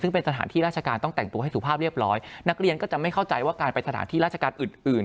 ซึ่งเป็นสถานที่ราชการต้องแต่งตัวให้สุภาพเรียบร้อยนักเรียนก็จะไม่เข้าใจว่าการไปสถานที่ราชการอื่นอื่น